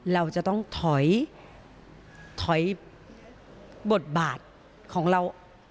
เราจะต้องถอยถอยบทบาทของเรา